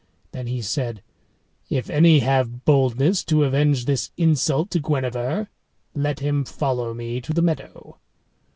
Then he said, "If any have boldness to avenge this insult to Guenever, let him follow me to the meadow."